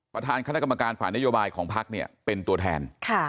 ประธานคณะกรรมการฝ่ายนโยบายของพักเนี่ยเป็นตัวแทน